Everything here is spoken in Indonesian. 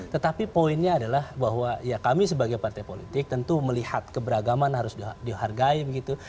tetapi poinnya adalah bahwa ya kami sebagai partai politik tentu melihat keberagaman harus dihargai begitu